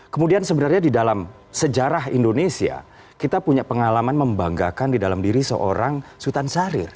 kemudian sebenarnya di dalam sejarah indonesia kita punya pengalaman membanggakan di dalam diri seorang sultan syahrir